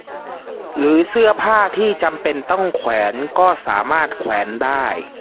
หรือเสื้อผ้าที่จำเป็นต้องแขวนก็สามารถแขวนได้